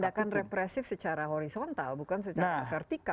nah ini tindakan represif secara horizontal bukan secara vertikal